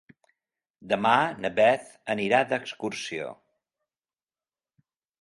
Demà na Beth anirà d'excursió.